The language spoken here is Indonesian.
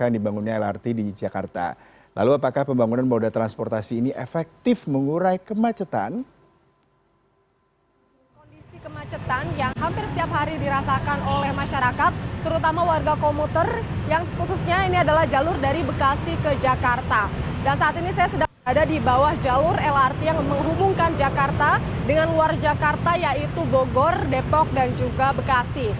hubungkan jakarta dengan luar jakarta yaitu bogor depok dan juga bekasi